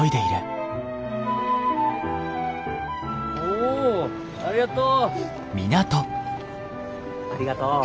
おおありがとう。